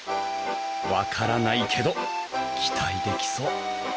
分からないけど期待できそう！